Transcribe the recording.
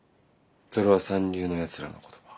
それは三流のやつらの言葉。